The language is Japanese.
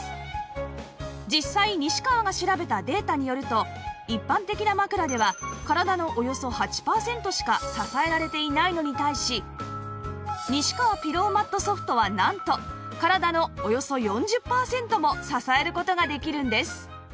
実際西川が調べたデータによると一般的な枕では体のおよそ８パーセントしか支えられていないのに対し西川ピローマット Ｓｏｆｔ はなんと体のおよそ４０パーセントも支える事ができるんです